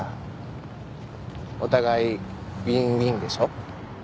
お互いウィンウィンでしょ？